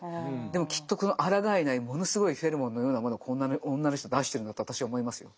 でもきっとこのあらがえないものすごいフェロモンのようなものを女の人出してるんだと私は思いますよ。